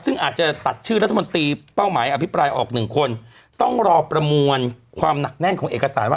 ซึ่งอาจจะตัดชื่อรัฐมนตรีเป้าหมายอภิปรายออกหนึ่งคนต้องรอประมวลความหนักแน่นของเอกสารว่า